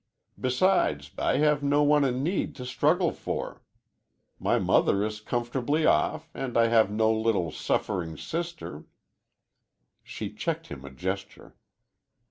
Besides, I have no one in need to struggle for. My mother is comfortably off, and I have no little suffering sister " She checked him a gesture.